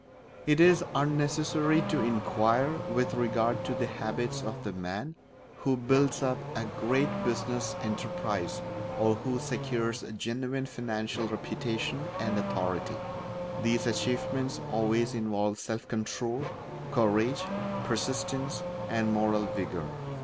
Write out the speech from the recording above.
It is unnecessary to inquire with regard to the habits of the man who builds up a great business enterprise or who secures genuine financial reputation and authority; these achievements always involve self control, courage, persistence, and moral vigour.